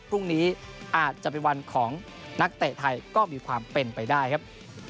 พรุ่งนี้อาจจะเป็นวันของนักเตะไทยก็มีความเป็นไปได้ครับ